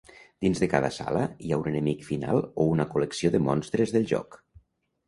Dins de cada sala hi ha un enemic final o una col·lecció de monstres del joc.